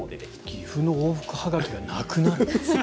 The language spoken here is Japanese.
岐阜の往復はがきがなくなるんですよ。